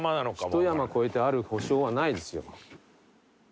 ひと山越えてある保証はないですよ。